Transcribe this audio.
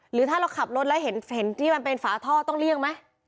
หรือถ้าเราขับรถแล้วเห็นที่มันเป็นฝาท่อต้องเลี่ยงไหม